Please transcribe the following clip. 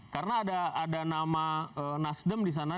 karena ada nama nasdem di sana